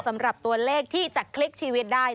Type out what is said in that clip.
สำหรับตัวเลขที่จะคลิกชีวิตได้